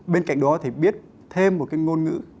bên cạnh đó thì biết thêm một cái ngôn ngữ